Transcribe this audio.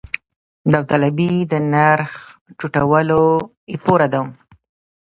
داوطلبي د نرخ ټیټولو لپاره ده